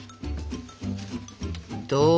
どう？